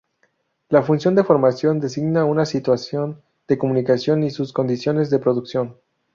La función de formación designa una situación de comunicación y sus condiciones de producción.